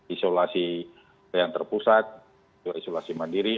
isolasi yang terpusat isolasi mandiri